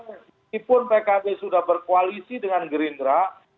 meskipun pkb sudah berkoalisi dengan gerindra